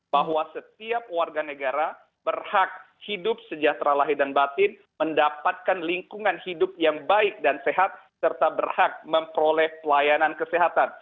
bahwa setiap warga negara berhak hidup sejahtera lahir dan batin mendapatkan lingkungan hidup yang baik dan sehat serta berhak memperoleh pelayanan kesehatan